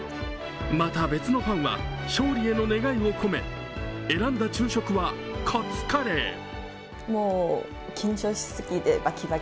また別のファンは勝利への願いを込め選んだ昼食はカツカレー。